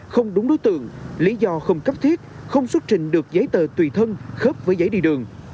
không đúng đối tượng lý do không cấp thiết không xuất trình được giấy tờ tùy thân khớp với giấy đi đường